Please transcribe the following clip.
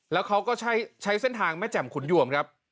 แล้วเขาก็ใช้เส้นทางแม่แจ่มขุนยวมครับ